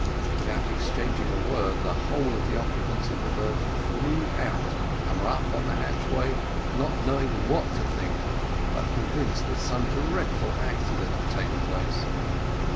Without exchanging a word, the whole of the occupants of the berth flew out, and were up the hatchway, not knowing what to think, but convinced that some dreadful accident had taken place.